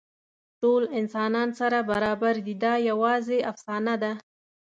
ټول انسانان سره برابر دي، دا یواځې افسانه ده.